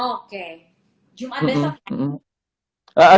oke jumat besok ya